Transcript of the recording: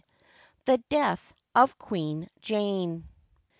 THE DEATH OF QUEEN JANE.